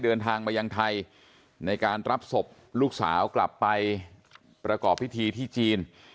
เดินทางมายังไทยในการรับศพลูกสาวกลับไปประกอบพิธีที่จีน